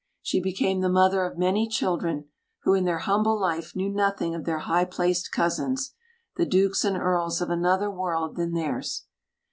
She became the mother of many children, who in their humble life knew nothing of their high placed cousins, the Dukes and Earls of another world than theirs.